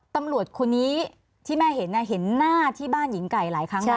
ตำรวจคนนี้ที่แม่เห็นเห็นหน้าที่บ้านหญิงไก่หลายครั้งแล้ว